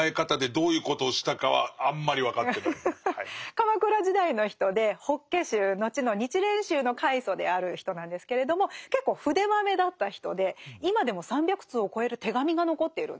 鎌倉時代の人で法華宗後の日蓮宗の開祖である人なんですけれども結構筆まめだった人で今でも３００通を超える手紙が残っているんですね。